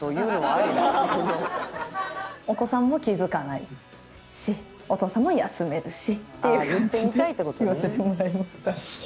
お子さんも気付かないしお父さんも休めるしっていう感じで言わせてもらいました。